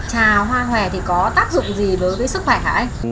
trà hoa hòe thì có tác dụng gì đối với sức khỏe hả anh